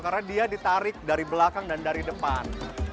karena dia ditarik dari belakang dan dari depan